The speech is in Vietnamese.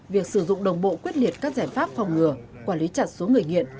việc sử dụng đồng bộ quyết liệt các giải pháp phòng ngừa quản lý chặt số người nghiện